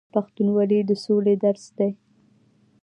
پښتونولي د سولې درس دی.